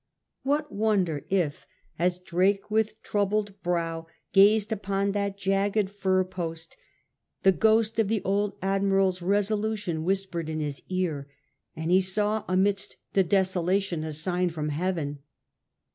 What wonder if, as Drake with troubled brow gazed upon that jagged fir post, the ghost of the old admiral's resolution whispered in his ear, and he saw amidst the desolation a sign from Heaven?